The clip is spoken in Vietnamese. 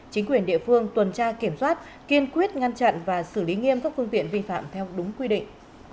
chính quyền địa phương tuần tra kiểm soát kiên quyết ngăn chặn và xử lý nghiêm các phương tiện vi phạm theo đúng quy định